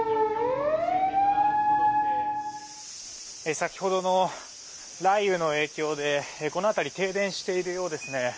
先ほどの雷雨の影響でこの辺り停電しているようですね。